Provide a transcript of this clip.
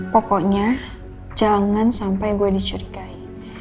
pokoknya jangan sampai gue dicurigai